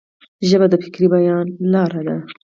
ژبه د فکري بیان لار ده.